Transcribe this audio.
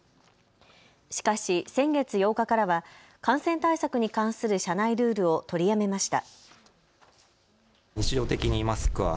しかし先月８日からは感染対策に関する社内ルールを取りやめました。